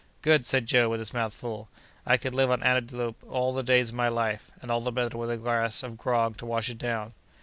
"Good!" said Joe, with his mouth full, "I could live on antelope all the days of my life; and all the better with a glass of grog to wash it down."